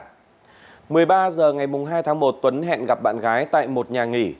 một mươi ba h ngày hai tháng một tuấn hẹn gặp bạn gái tại một nhà nghỉ